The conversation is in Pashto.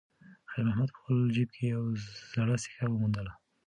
خیر محمد په خپل جېب کې یوه زړه سکه وموندله.